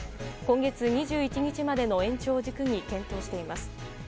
今月２１日までの延長を軸に検討しています。